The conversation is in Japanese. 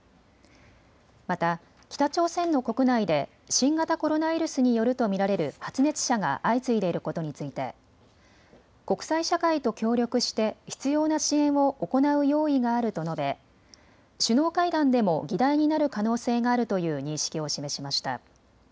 また北朝鮮の国内で新型コロナウイルスによると見られる発熱者が相次いでいることについて国際社会と協力して必要な支援を行う用意があると述べ首脳会談でも議題になる可能性があるという認識を示しました。